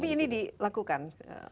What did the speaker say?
tapi ini dilakukan